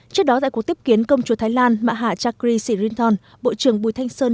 trước đó tại cuộc tiếp kiến công chúa thái lan mạ hạ chakri sirinton bộ trưởng bùi thanh sơn